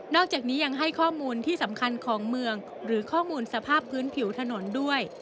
อกจากนี้ยังให้ข้อมูลที่สำคัญของเมืองหรือข้อมูลสภาพพื้นผิวถนนด้วย